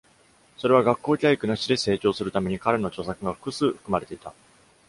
それは「学校教育なしで成長する」ために彼の著作が複数含まれていた。